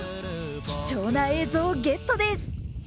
貴重な映像をゲットです。